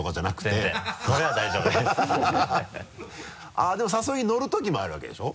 あっでも誘いに乗るときもあるわけでしょ？